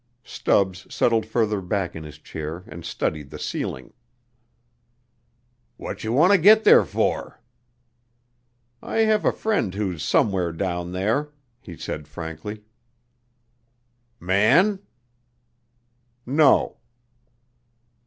Stubbs settled further back in his chair and studied the ceiling. "Wotcher want to git there for?" "I have a friend who's somewhere down there," he said frankly. "Man?" "No."